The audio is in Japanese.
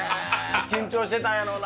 緊張してたんやろうな。